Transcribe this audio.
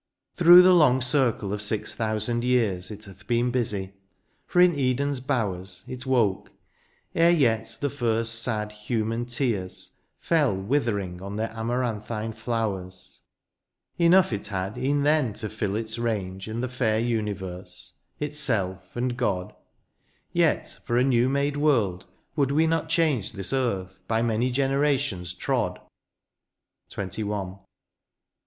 141 Through the long circle of six thousand years It hath been busy, for in Eden's bowers It woke, ere yet the first sad human tears Fell withering on their amaranthine flowiers. Enough it had e'en then to fill its range In the fair universe, — ^itself and God ; Yet for a new made world would we not change This earth, by many generations trod ? XXI.